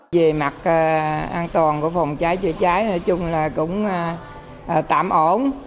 về mặt an toàn của phòng cháy chữa cháy nói chung là cũng tạm ổn